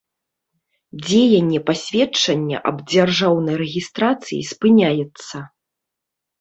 Дзеянне пасведчання аб дзяржаўнай рэгiстрацыi спыняецца.